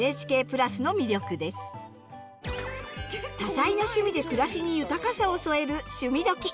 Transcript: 多彩な趣味で暮らしに豊かさを添える「趣味どきっ！」。